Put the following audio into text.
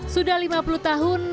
sudah lima puluh tahun